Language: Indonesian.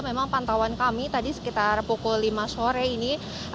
memang pantauan kami tadi sekitar pukul lima sore ini